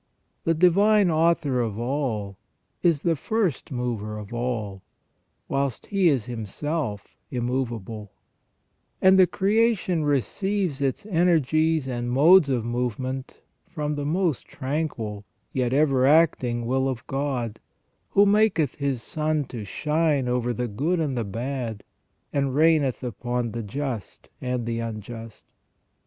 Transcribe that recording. The Divine Author of all is the first mover of all, whilst He /is Himself immovable ; and the creation receives its energies and modes of movement from the most tranquil, yet ever acting, will of God, " who maketh His sun to shine over the good and the bad, and raineth upon the just and the unjust